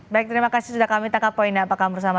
baik terima kasih sudah kami tangkap poinnya pak kamur sama